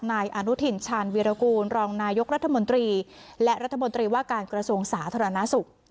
นายอนุทินชาญวีรกูลรองนายกรัฐมนตรีและรัฐมนตรีว่าการกระทรวงสาธารณสุข